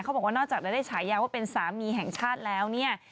บอกว่านอกจากจะได้ฉายาว่าเป็นสามีแห่งชาติแล้วเนี่ย